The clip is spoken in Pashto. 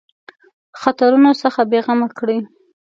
خطرونو څخه بېغمه کړي.